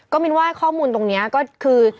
ก็มีว่าข้อมูลตรงเนี้ยก็คือ